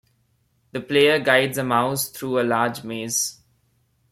The player guides a mouse through a large maze.